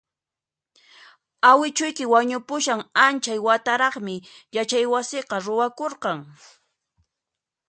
Awichuyki wañupushan anchay wataraqmi yachaywasiqa ruwakurqan